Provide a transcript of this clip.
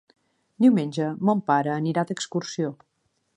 Diumenge mon pare anirà d'excursió.